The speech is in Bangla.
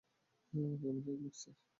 আমার কেমন জানি লাগছে।